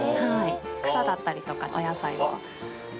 草だったりとかお野菜を。